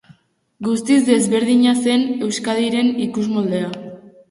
Guztiz desberdina zen Euzkadi-ren ikusmoldea.